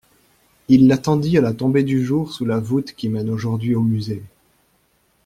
Il l'attendit à la tombée du jour sous la voûte qui mène aujourd'hui au Musée.